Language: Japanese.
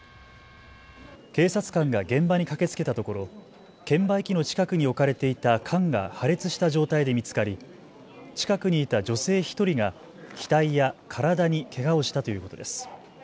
警察官が現場に駆けつけたところ券売機の近くに置かれていた缶が破裂した状態で見つかり近くにいた女性１人が額や体にけがをしたということです。